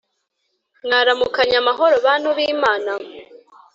Mwaramukanye amahoro bantu bimana